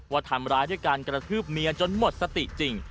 ว่าทำร้ายด้วยการกระทืบเมียจนหมดสติจริง